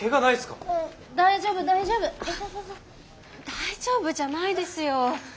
大丈夫じゃないですよ。